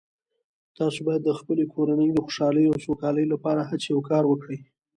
تاسو باید د خپلې کورنۍ د خوشحالۍ او سوکالۍ لپاره هڅې او کار وکړئ